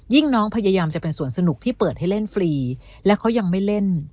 น้องพยายามจะเป็นสวนสนุกที่เปิดให้เล่นฟรีและเขายังไม่เล่น